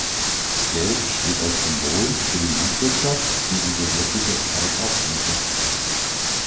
Gelb steht als Symbol für die Landwirtschaft, die in sowjetischer Zeit aufblühte.